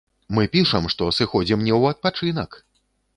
Мы пішам, што сыходзім не ў адпачынак!